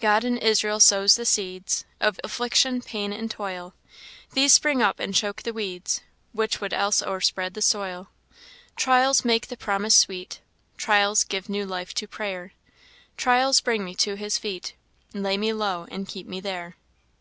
"God in Israel sows the seeds Of affliction, pain, and toil; These spring up and choke the weeds Which would else o'erspread the soil. Trials make the promise sweet Trials give new life to prayer Trials bring me to his feet, Lay me low, and keep me there."